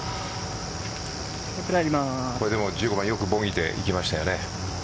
１５番よくボギーでいきましたよね。